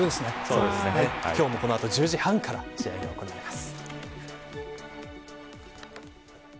今日もこの後１０時半から試合が行われます。